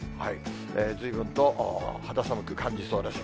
ずいぶんと肌寒く感じそうです。